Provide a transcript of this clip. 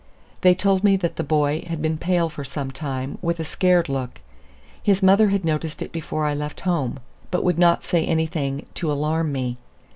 They told me that the boy had been pale for some time, with a scared look. His mother had noticed it before I left home, but would not say anything to alarm me.